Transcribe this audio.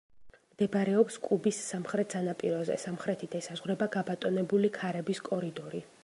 მდებარეობს კუბის სამხრეთ სანაპიროზე, სამხრეთით ესაზღვრება გაბატონებული ქარების კორიდორი.